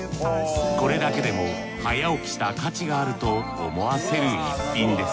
これだけでも早起きした価値があると思わせる逸品です